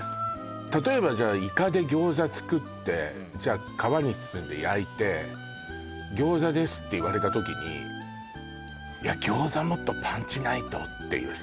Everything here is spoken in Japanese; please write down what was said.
例えばじゃあイカで餃子作ってじゃあ皮に包んで焼いて餃子ですって言われた時にいや餃子もっとパンチないとっていうさ